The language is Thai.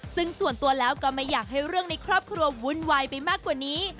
ซึ่งส่วนตัวแล้วก็ไม่อยากให้เรื่องในครอบครัววุ่นวายไปมากกว่านี้